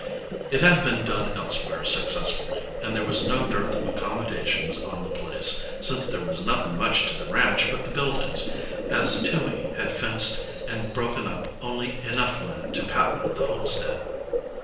It had been done elsewhere successfully, and there was no dearth of accommodations on the place, since there was nothing much to the ranch but the buildings, as Toomey had fenced and broken up only enough land to patent the homestead.